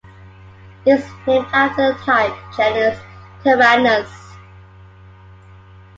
It is named after the type genus "Tyrannus".